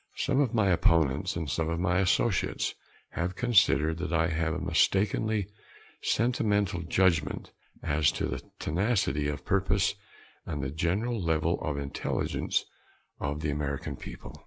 Some of my opponents and some of my associates have considered that I have a mistakenly sentimental judgment as to the tenacity of purpose and the general level of intelligence of the American people.